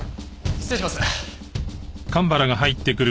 失礼します。